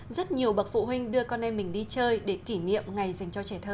rất nhiều bậc phụ huynh đưa con em mình đi chơi để kỷ niệm ngày dành cho trẻ thơ